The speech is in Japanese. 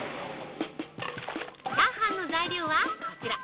チャーハンの材料は、こちら。